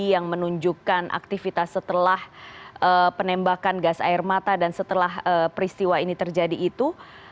yang menunjukkan aktivitas setelah penembakan gas air mata dan setelah peristiwa ini terjadi itu